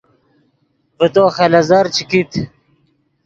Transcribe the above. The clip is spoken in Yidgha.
ڤے تو خلیزر چے کیت